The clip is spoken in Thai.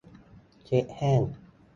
เช็ดแห้ง